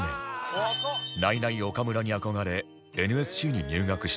ナイナイ岡村に憧れ ＮＳＣ に入学した小澤